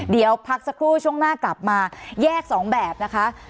เดี๋ยวพักสักครู่ช่วงหน้ากลับมาแยกสองแบบนะคะ